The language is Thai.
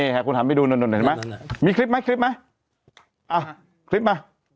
หาผู้ถามให้ดูหน่อยหน่อยได้ไหม